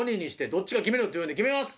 どっちか決めろって言うんで決めます。